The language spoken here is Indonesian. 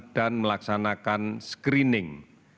dan melaksanakan screening